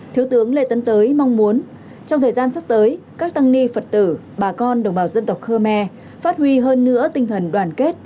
thiếu tướng lê tấn tới mong muốn trong thời gian sắp tới các tăng ni phật tử bà con đồng bào dân tộc khơ me phát huy hơn nữa tinh thần đoàn kết